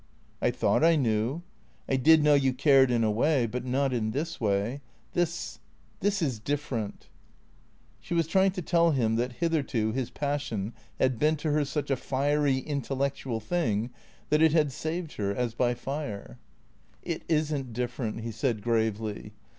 " I thought I knew. I did know you cared in a way. But not in this way. This — this is diiferent." She was trying to tell him that hitherto his passion had been to her such a fiery intellectual thing that it had saved her — as by fire. THECREATOES 481 "It isn't different," he said gravely.